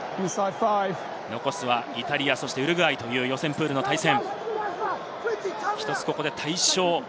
残すはイタリア、そしてウルグアイという予選プールの対戦。